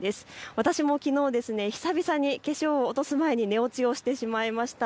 私もきのう久々に化粧を落とす前に寝落ちをしてしまいました。